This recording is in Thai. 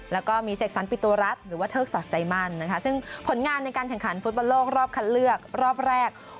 แล้วก็มีเซ็กซันต์ปิโตรัสหรือว่าเทิกศาสตร์ใจมั่นซึ่งผลงานในการแข่งขันฟุตบอลโลกรอบคันเลือกรอบแรก